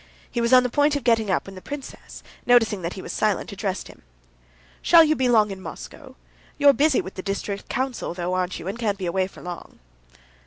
He was on the point of getting up, when the princess, noticing that he was silent, addressed him. "Shall you be long in Moscow? You're busy with the district council, though, aren't you, and can't be away for long?"